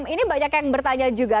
ini banyak yang bertanya juga